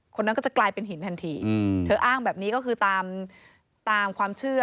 คนนั้นก็จะกลายเป็นหินทันทีเธออ้างแบบนี้ก็คือตามตามความเชื่อ